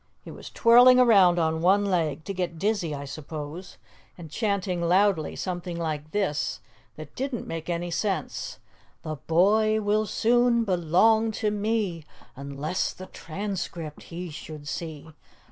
He was twirling around on one leg, to get dizzy, I suppose, and chanting loudly something like this, that didn't make any sense: "'The boy will soon belong to me, Unless the Trans cript _he should see.